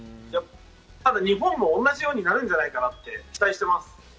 日本も同じようになるんじゃないかなって期待しています。